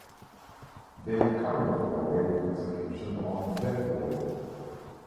They currently await execution on death row.